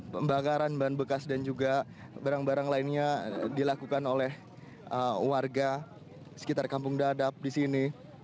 pembakaran bahan bekas dan juga barang barang lainnya dilakukan oleh warga sekitar kampung dadap di sini